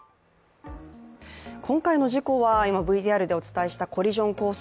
今回の事故は今、ＶＴＲでお伝えしたコリジョンコース